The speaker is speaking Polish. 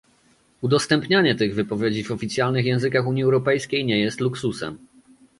Udostępnianie tych wypowiedzi w oficjalnych językach Unii Europejskiej nie jest luksusem